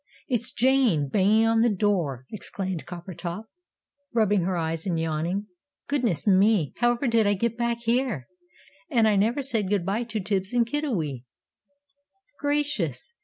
It's Jane, banging on the door," exclaimed Coppertop, rubbing her eyes and yawning. "Goodness me! however did I get back here? And I never said good bye to Tibbs and Kiddiwee! "Gracious!"